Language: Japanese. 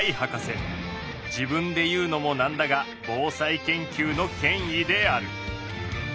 自分で言うのも何だが防災研究の権威である。